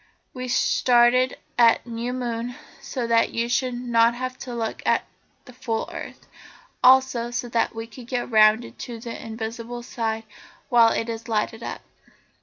We started at new moon so that you should have a look at the full earth, and also so that we could get round to the invisible side while it is lighted up."